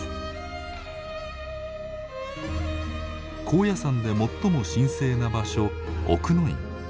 高野山で最も神聖な場所奥之院。